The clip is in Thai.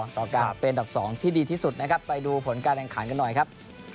ต่อการเป็นอันดับ๒ที่ดีที่สุดนะครับไปดูผลการแข่งขันกันหน่อยครับ